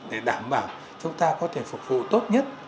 để đảm bảo chúng ta có thể phục vụ tốt nhất